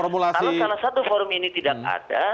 kalau salah satu forum ini tidak ada